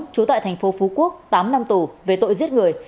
trú tại thành phố phú quốc tám năm tù về tội giết người